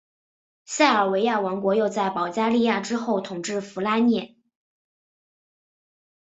塞尔维亚王国又在保加利亚之后统治弗拉涅。